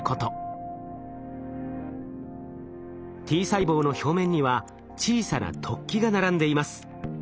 Ｔ細胞の表面には小さな突起が並んでいます。